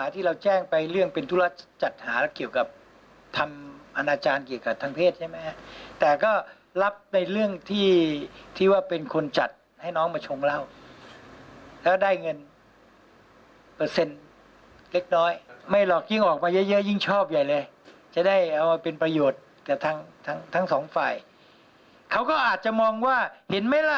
แต่ทั้งทั้งทั้งสองฝ่ายเขาก็อาจจะมองว่าเห็นไหมล่ะ